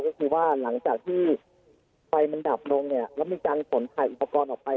ก็คือว่าหลังจากที่ไฟมันดับลงเนี่ยแล้วมีการขนถ่ายอุปกรณ์ออกไป